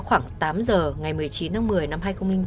khoảng tám giờ ngày một mươi chín tháng một mươi năm hai nghìn bốn